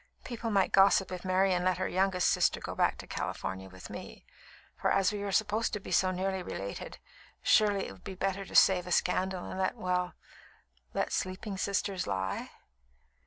People might gossip if Marian let her youngest sister go back to California with me; for as we are supposed to be so nearly related, surely it would be better to save a scandal and let well, let sleeping sisters lie?"